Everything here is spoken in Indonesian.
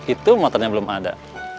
itu motornya belum ada